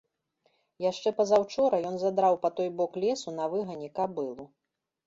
Яшчэ пазаўчора ён задраў па той бок лесу на выгане кабылу.